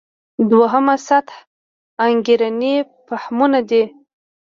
دوهمه سطح انګېرنې فهمونه دي.